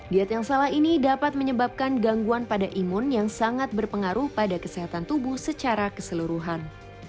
diet yang salah ini dapat menyebabkan gangguan pada imun yang sangat berpengaruh pada kesehatan tubuh secara keseluruhan